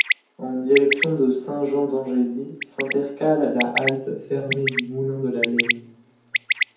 En direction de Saint-Jean-d'Angély, s'intercale la halte fermée du Moulin-de-la-Laigne.